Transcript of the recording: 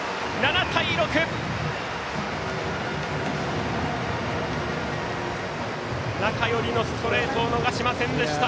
７対６、中寄りのストレートを逃しませんでした。